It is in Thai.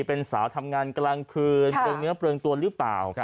เป็นสาวทำงานกลางคืนเปลืองเนื้อเปลืองตัวหรือเปล่า